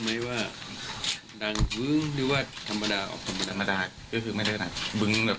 น่าจะทันอยู่แบบ